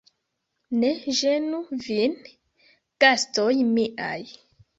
Ne ĝenu vin, gastoj miaj!